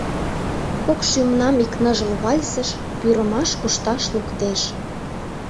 Кок шӱмнам ик ныжыл вальсыш Пӱрымаш кушташ луктеш.